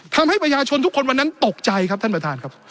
ทำให้ประชาชนทุกคนวันนั้นตกใจครับท่านประธานครับ